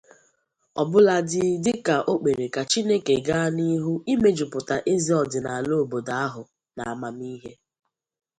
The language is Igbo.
ọbụladị dịka o kpere ka Chineke gaa n'ihu imejupụta eze ọdịnala obodo ahụ n'amamihe.